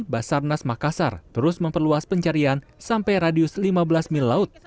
basarnas makassar terus memperluas pencarian sampai radius lima belas mil laut